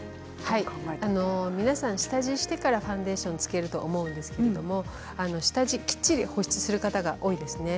皆さん下地をしてからファンデーションをつけると思うんですけれど下地をきっちり保湿する方が多いですね。